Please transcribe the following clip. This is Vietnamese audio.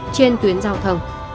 trên tuyến giao thông